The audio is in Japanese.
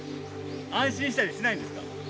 安心したりしないんですか？